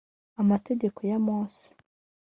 amategeko ya Mose